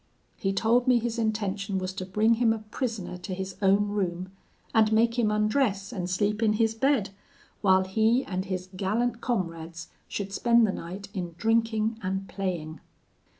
He told me his intention was to bring him a prisoner to his own room, and make him undress and sleep in his bed, while he and his gallant comrades should spend the night in drinking and playing.